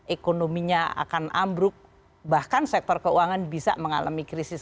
ekonominya akan ambruk bahkan sektor keuangan bisa mengalami krisis